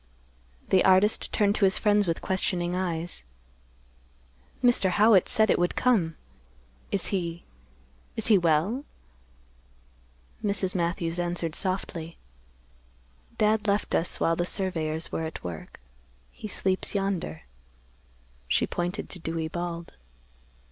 The artist turned to his friends with questioning eyes; "Mr. Howitt said it would come. Is he—is he well?" Mrs. Matthews answered softly, "Dad left us while the surveyors were at work. He sleeps yonder." She pointed to Dewey Bald.